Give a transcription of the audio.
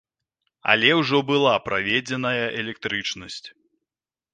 Але ўжо была праведзеная электрычнасць!